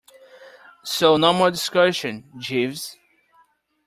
So no more discussion, Jeeves.